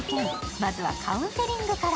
まずはカウンセリングから。